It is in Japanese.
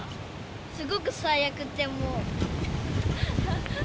すごく最悪、もう。